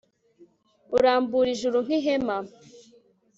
urambura ijuru nk'ihema